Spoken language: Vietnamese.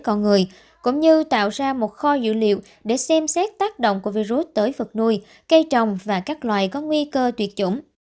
các nhà nghiên cứu đã phát hiện ra thêm nhiều loại virus tới con người cũng như tạo ra một kho dữ liệu để xem xét tác động của virus tới vật nuôi cây trồng và các loại có nguy cơ tuyệt chủng